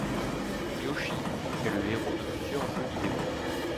Yoshi est le héros de plusieurs jeux vidéo.